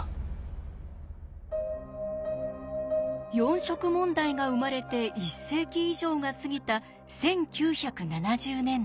四色問題が生まれて１世紀以上が過ぎた１９７０年代。